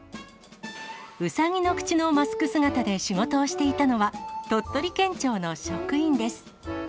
うさぎの口のマスク姿で仕事をしていたのは、鳥取県庁の職員です。